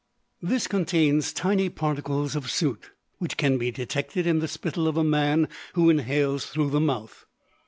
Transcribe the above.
This contains tiny particles of soot, which can be detected in the spittle of a man who inhales through the mouth.